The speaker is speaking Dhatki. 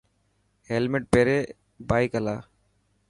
هيلمٽ پيري بائڪ هلاءِ.